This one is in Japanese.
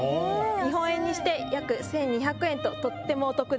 日本円にして約１２００円ととってもお得です。